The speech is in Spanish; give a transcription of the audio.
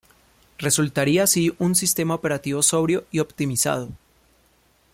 Resultaría así un sistema operativo sobrio y optimizado.